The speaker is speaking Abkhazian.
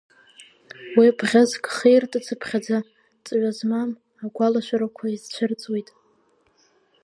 Уи бӷьыцк хиртыцыԥхьаӡа ҵҩа змам агәалашәарақәа изцәырҵуеит.